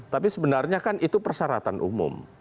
tapi sebenarnya kan itu persyaratan umum